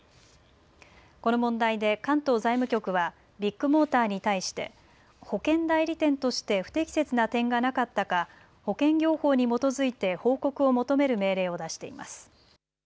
この問題で関東財務局はビッグモーターに対して保険代理店として不適切な点がなかったか保険業法に基づいて報告を求める命令を出しています。